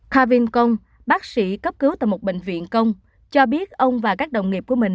kha vinh kong bác sĩ cấp cứu tại một bệnh viện kong cho biết ông và các đồng nghiệp của mình